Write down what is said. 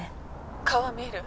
顔は見える？